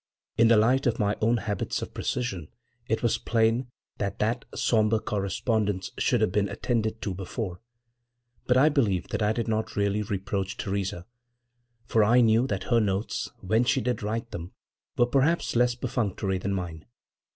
In the light of my own habits of precision it was plain that that sombre correspondence should have been attended to before; but I believe that I did not really reproach Theresa, for I knew that her notes, when she did write them, were perhaps less perfunctory than mine.